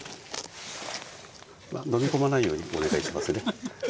飲み込まないようにお願いしますね。